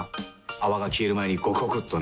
泡が消える前にゴクゴクっとね。